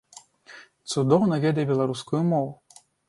Цудоўна ведае беларускую мову.